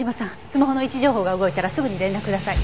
スマホの位置情報が動いたらすぐに連絡ください。